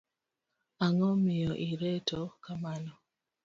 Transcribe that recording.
Ang'o miyo ireto kamano?